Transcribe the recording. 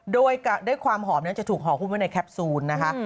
โดยได้ความหอมนั้นจะถูกห่อหุ้มไว้ในแคปซูลนะคะ